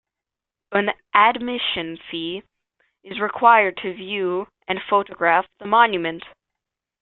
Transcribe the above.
An admission fee is required to view and photograph the monument.